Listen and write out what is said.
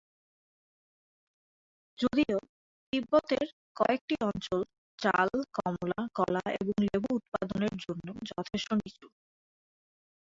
যদিও তিব্বতের কয়েকটি অঞ্চল চাল, কমলা, কলা এবং লেবু উৎপাদনের জন্য যথেষ্ট নিচু।